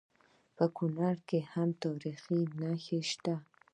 په کونړ کې هم تاریخي نښې شته